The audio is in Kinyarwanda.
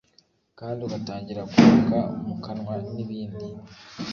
kandi ugatangira kunuka mu kanwa n'ibindi.